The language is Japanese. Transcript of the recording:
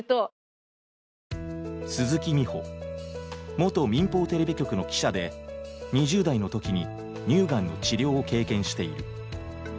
元民放テレビ局の記者で２０代のときに乳がんの治療を経験している。